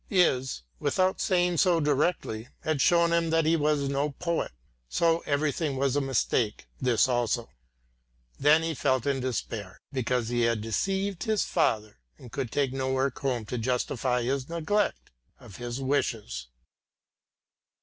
Is, without saying so directly, had shown him that he was no poet. So everything was a mistake, this also! Then he felt in despair, because he had deceived his father and could take no work home to justify his neglect of his wishes.